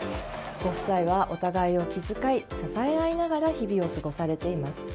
ご夫妻はお互いを気遣い支え合いながら日々を過ごされています。